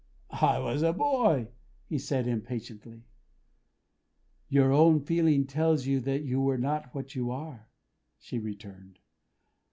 "I was a boy," he said impatiently. "Your own feeling tells you that you were not what you are," she returned.